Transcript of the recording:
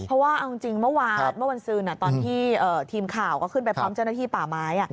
เพราะว่าเอาจริงเมื่อวานเมื่อวันซืนตอนที่ทีมข่าวก็ขึ้นไปพร้อมเจ้าหน้าที่ป่าไม้